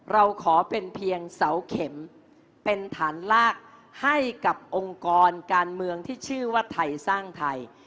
เราขอเป็นเพียงเสาเข็มเป็นฐานลากให้กับองค์กรการเมืองที่ชื่อว่าไทยสร้างไทย